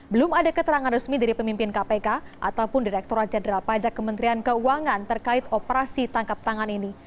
belum ada keterangan resmi dari pemimpin kpk ataupun direkturat jenderal pajak kementerian keuangan terkait operasi tangkap tangan ini